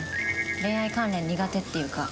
恋愛関連苦手っていうか。